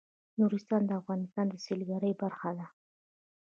نورستان د افغانستان د سیلګرۍ برخه ده.